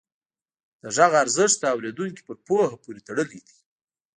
د غږ ارزښت د اورېدونکي پر پوهه پورې تړلی دی.